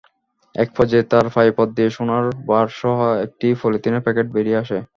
একপর্যায়ে তাঁর পায়ুপথ দিয়ে সোনার বারসহ একটি পলিথিনের প্যাকেট বেরিয়ে আসে।